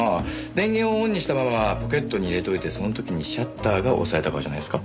電源をオンにしたままポケットに入れといてその時にシャッターが押されたからじゃないですか？